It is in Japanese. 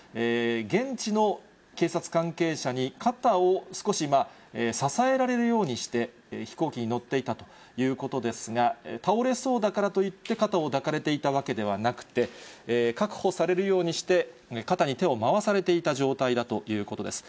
現地の警察関係者に、肩を少し支えられるようにして、飛行機に乗っていたということですが、倒れそうだからといって肩を抱かれていたわけではなくて、確保されるようにして、肩に手を回されていた状態だということです。